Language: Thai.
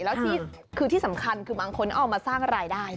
แล้วที่สำคัญคือบางคนออกมาสร้างอะไรได้